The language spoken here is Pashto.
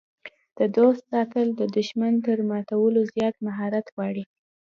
د دوست ساتل د دښمن تر ماتولو زیات مهارت غواړي.